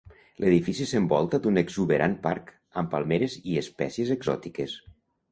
L'edifici s'envolta d'un exuberant parc, amb palmeres i espècies exòtiques.